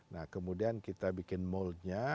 nah kemudian kita bikin moodnya